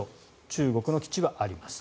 中国の基地はあります。